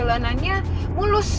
guna jalan yang tinggalkan caucasus